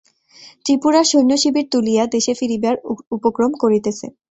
ত্রিপুরার সৈন্য শিবির তুলিয়া দেশে ফিরিবার উপক্রম করিতেছে।